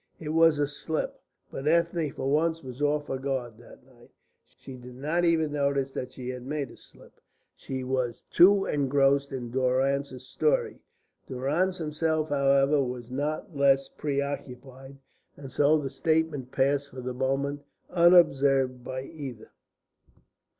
It was a slip, but Ethne for once was off her guard that night. She did not even notice that she had made a slip. She was too engrossed in Durrance's story. Durrance himself, however, was not less preoccupied, and so the statement passed for the moment unobserved by either.